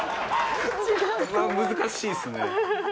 難しいっすね。